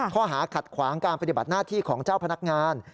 ข้อหาขัดขวางการปฏิบัติหน้าที่ของเจ้าพนักงาน